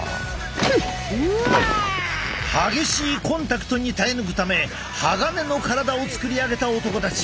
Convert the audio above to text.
激しいコンタクトに耐え抜くため鋼の体を作り上げた男たち。